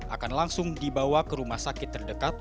akan langsung dibawa ke rumah sakit terdekat